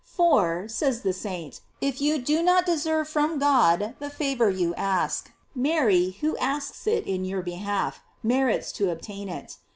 f For, says the saint, if you do not deserve from God the favor you ask, Mary, who asks it in your behalf, merits to obtain it.